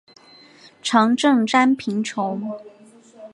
常赈赡贫穷。